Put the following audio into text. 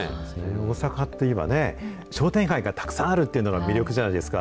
大阪っていえばね、商店街がたくさんあるっていうのが魅力じゃないですか。